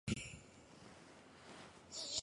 在文保二年即位。